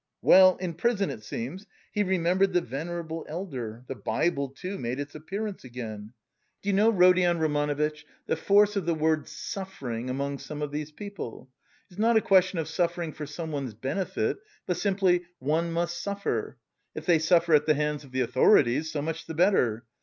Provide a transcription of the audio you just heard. Well, in prison, it seems, he remembered the venerable elder; the Bible, too, made its appearance again. Do you know, Rodion Romanovitch, the force of the word 'suffering' among some of these people! It's not a question of suffering for someone's benefit, but simply, 'one must suffer.' If they suffer at the hands of the authorities, so much the better.